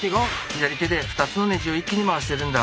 左手で２つのネジを一気に回してるんだ。